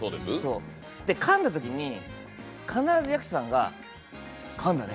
かんだときに、必ず役所さんが「かんだね？